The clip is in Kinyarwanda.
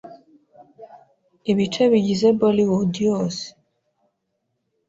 ibice bigize Bollywood yose